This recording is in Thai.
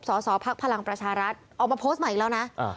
สอสอภักดิ์พลังประชารัฐออกมาโพสต์มาอีกแล้วนะเอ่อ